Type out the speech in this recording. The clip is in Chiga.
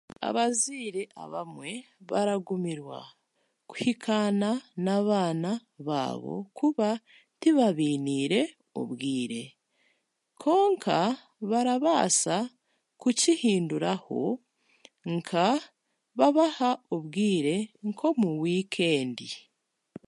Abazaire abamwe baragumirwa kuhikaana n'abaana baabo kuba tibabiiniire obwire kwonka barabaasa kukihinduraho nka babahe obwire nk'omu wiikendi